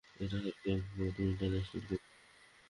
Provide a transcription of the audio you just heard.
এটা হাল্কের প্রথম international competition.